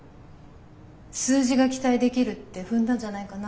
数字が期待できるって踏んだんじゃないかな。